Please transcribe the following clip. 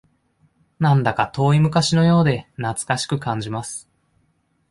なんだか遠い昔のようで懐かしく感じます